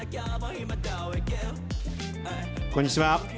こんにちは。